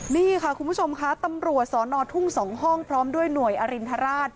นี่ค่ะคุณผู้ชมค่ะตำรวจสอนอทุ่ง๒ห้องพร้อมด้วยหน่วยอรินทราช